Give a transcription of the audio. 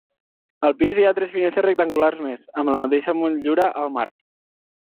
Al pis hi ha tres finestres rectangulars més, amb la mateixa motllura al marc.